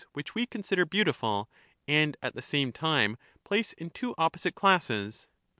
which we consider beautiful and at the same time place in two opposite classes.